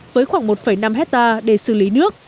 với khoảng một năm hectare để xử lý nước